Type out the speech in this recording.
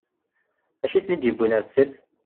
D acu i ten-id-yewwin ar tessirt?